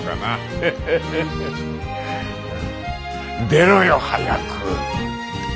出ろよ早く！